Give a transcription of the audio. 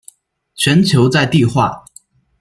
全球在地化。